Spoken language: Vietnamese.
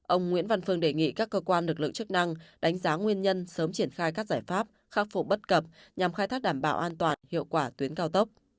ông nguyễn văn phương đề nghị các cơ quan lực lượng chức năng đánh giá nguyên nhân sớm triển khai các giải pháp khắc phục bất cập nhằm khai thác đảm bảo an toàn hiệu quả tuyến cao tốc